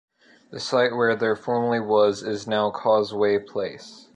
The site where there formerly was is now Causeway Place.